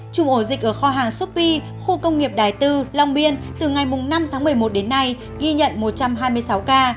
chùm ổ dịch ở kho hàng shopee khu công nghiệp đại tư long biên từ ngày năm tháng một mươi một đến nay ghi nhận một trăm hai mươi sáu ca